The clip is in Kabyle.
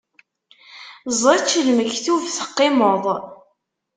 Ẓečč lmektub teqqimeḍ!